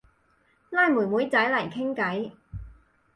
拉妹妹仔嚟傾偈